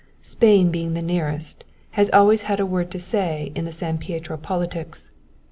Spain, being the nearest, has always had a word to say in the San Pietro politics.